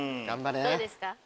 どうですか？